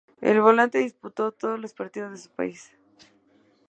El volante disputó todos los partidos de su país.